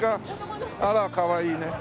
あらかわいいね。